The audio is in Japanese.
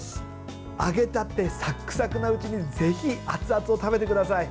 揚げたてサクサクなうちにぜひ熱々を食べてください。